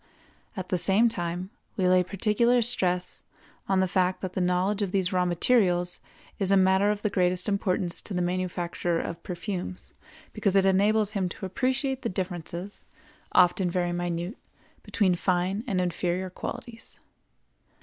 At the same time we lay particular stress on the fact that the knowledge of these raw materials is a matter of the greatest importance to the manufacturer of perfumes because it enables him to appreciate the differences, often very minute, between fine and inferior qualities.